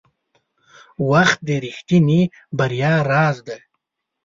• وخت د رښتیني بریا راز دی.